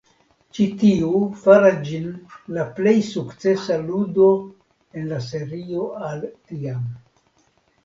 Ĉi tiu faras ĝin la plej sukcesa ludo en la serio al tiam.